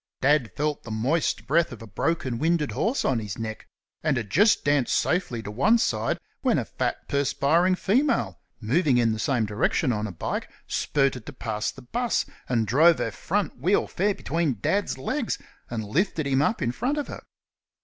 Dad felt the moist breath of a broken winded horse on his neck, and had just danced safely to one side when a fat, perspiring female, moving in the same direction on a bike, spurted to pass the 'bus, and drove her front wheel fair between Dad's legs, and lifted him up in front of her.